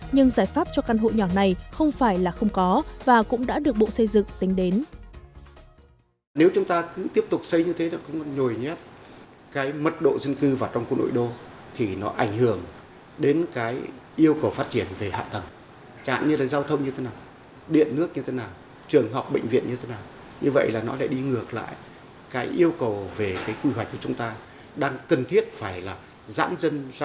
nhưng giải pháp cho căn hộ nhỏ này không phải là không có và cũng đã được bộ xây dựng tính đến